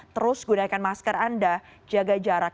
terus gunakan masker anda jaga jarak